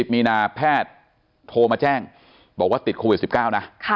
มีนาแพทย์โทรมาแจ้งบอกว่าติดโควิด๑๙นะ